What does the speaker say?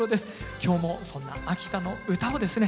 今日もそんな秋田の唄をですね